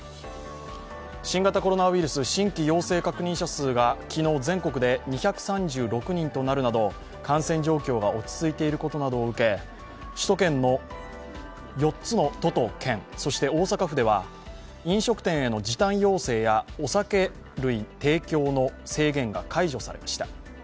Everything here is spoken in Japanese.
新型コロナウイルス新規陽性数が昨日全国で２３６人となるなど感染状況が落ち着いていることなどを受け、首都圏の４つの都と県、飲食店への時短要請やお酒類提供の制限が解除されました。